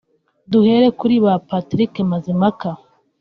Duhere kuri ba Patrick mazimpaka